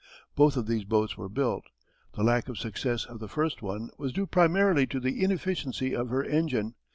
Both of these boats were built. The lack of success of the first one was due primarily to the inefficiency of her engine.